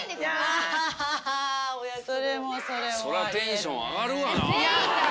そりゃテンション上がるわな。